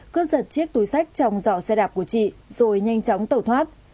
cướp giật chiếc túi sách trong giỏ xe đạp của chị rồi nhanh chóng tẩu thoát